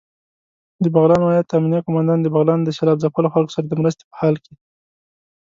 دبغلان ولايت امنيه قوماندان دبغلان د سېلاب ځپلو خلکو سره دمرستې په حال کې